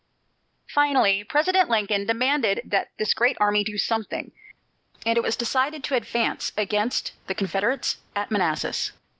Finally, President Lincoln demanded that this great army do something, and it was decided to advance again against the Confederates at Manassas.